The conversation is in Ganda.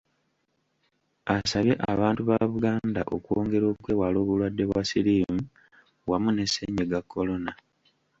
Asabye abantu ba Buganda okwongera okwewala obulwadde bwa Siriimu wamu ne Ssennyiga kolona.